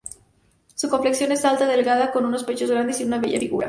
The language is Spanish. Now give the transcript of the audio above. Su complexión es alta y delgada, con unos pechos grandes y una bella figura.